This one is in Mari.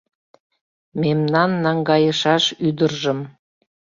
Мемнан наҥгайышаш ӱдыржым